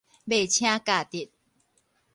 袂晟教得